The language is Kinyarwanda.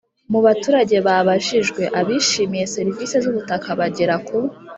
Mu baturage babajijwe abishimiye serivisi z ubutaka bagera ku